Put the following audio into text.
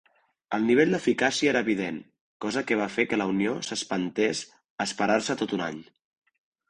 El nivell d'eficàcia era evident, cosa que va fer que la unió s'espantés a esperar-se tot un any.